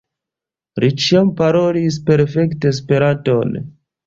Li ĉiam parolis perfekte Esperanton.